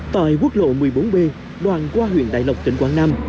tại quốc lộ một mươi bốn b đoạn qua huyện đại lộc tỉnh quảng nam